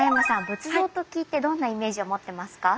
仏像と聞いてどんなイメージを持ってますか？